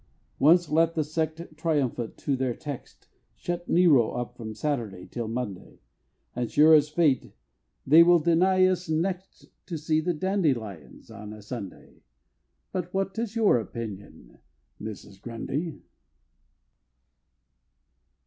Once let the sect, triumphant to their text, Shut Nero up from Saturday till Monday, And sure as fate they will deny us next To see the Dandelions on a Sunday But what is your opinion, Mrs. Grundy?